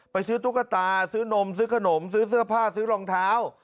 ซื้อตุ๊กตาซื้อนมซื้อขนมซื้อเสื้อผ้าซื้อรองเท้า